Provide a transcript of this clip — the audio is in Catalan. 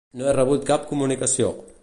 No he rebut cap comunicació.